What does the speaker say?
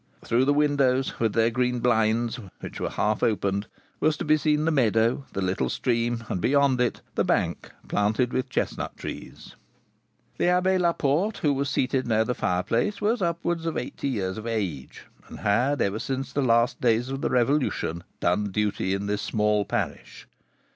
Through the windows, with their green blinds, which were half opened, was to be seen the meadow, the little stream, and, beyond it, the bank planted with chestnut trees. The Abbé Laporte, who was seated near the fireplace, was upwards of eighty years of age, and had, ever since the last days of the Revolution, done duty in this small parish.